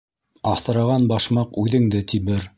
Аҫыраған башмаҡ үҙеңде тибер.